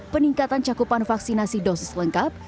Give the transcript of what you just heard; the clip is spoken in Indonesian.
peningkatan cakupan vaksinasi dosis lengkap